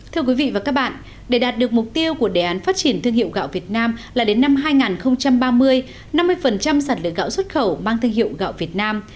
thưa quý vị và các bạn để đạt được mục tiêu của đề án phát triển thương hiệu gạo việt nam là đến năm hai nghìn ba mươi năm mươi sản lượng gạo xuất khẩu mang thương hiệu gạo việt nam